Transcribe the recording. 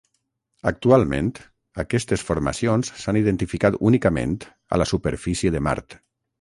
Actualment, aquestes formacions s'han identificat únicament a la superfície de Mart.